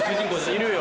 いるよ